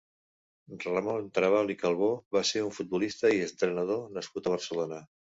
Ramon Trabal i Calvo va ser un futbolista i entrenador nascut a Barcelona.